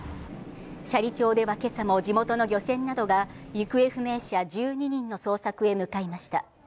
斜里町では今朝も地元の漁船などが行方不明者１２人の捜索へ向かいました。